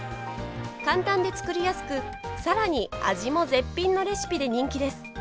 簡単で作りやすくさらに味も絶品のレシピで人気です。